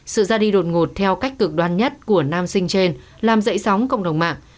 sự ra đi đột ngột theo cách cực đoan nhất của nam sinh trên làm dậy sóng cộng đồng mạng